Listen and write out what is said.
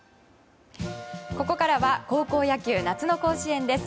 ここからは高校野球夏の甲子園です。